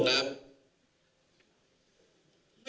หลายคนบอกดีเหมือนควันนำ